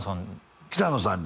北野さん？